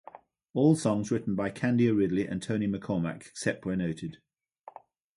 All songs written by Candia Ridley and Tony McKormack, except where noted.